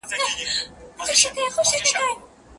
خپلو ورځنیو کارونو ته تل لېوالتیا ولرئ.